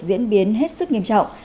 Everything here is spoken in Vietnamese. diễn biến hết sức nghiêm trọng